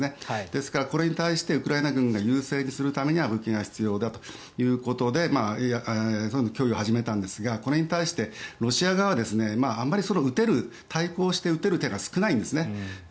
ですから、これに対してウクライナ軍が優勢にするためには武器が必要だということで供与を始めたんですがこれに対して、ロシア側はあまり対抗して打てる手が少ないんですね。